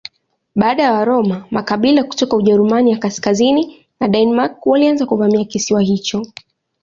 Baada ya Waroma makabila kutoka Ujerumani ya kaskazini na Denmark walianza kuvamia kisiwa hicho.